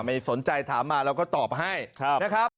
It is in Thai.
ไม่สนใจถามมาเราก็ตอบให้นะครับ